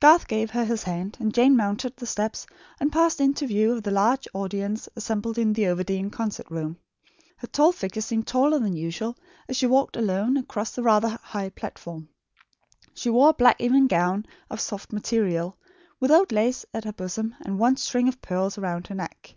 Garth gave her his hand, and Jane mounted the steps and passed into view of the large audience assembled in the Overdene concert room. Her tall figure seemed taller than usual as she walked alone across the rather high platform. She wore a black evening gown of soft material, with old lace at her bosom and one string of pearls round her neck.